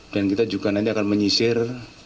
dan kita juga nanti akan menyisir